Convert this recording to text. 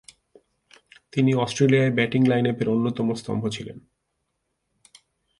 তিনি অস্ট্রেলিয়ার ব্যাটিং লাইনআপের অন্যতম স্তম্ভ ছিলেন।